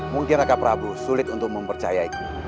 mungkin raka prabu sulit untuk mempercayaiku